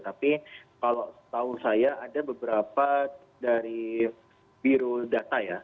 tapi kalau tahu saya ada beberapa dari birodata ya